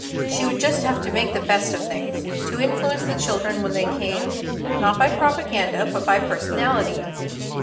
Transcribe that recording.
She would just have to make the best of things, to influence the children when they came, not by propaganda, but by personality.